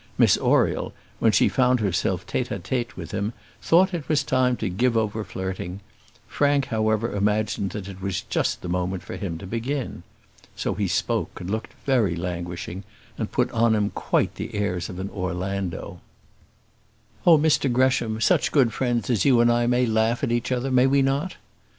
Miss Oriel, when she found herself tête à tête with him, thought it was time to give over flirting; Frank, however, imagined that it was just the moment for him to begin. So he spoke and looked very languishing, and put on him quite the airs of an Orlando. "Oh, Mr Gresham, such good friends as you and I may laugh at each other, may we not?"